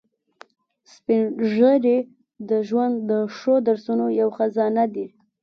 سپین ږیری د ژوند د ښو درسونو یو خزانه دي